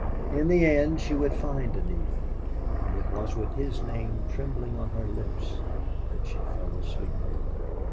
In the end she would find Neale; and it was with his name trembling on her lips that she fell asleep.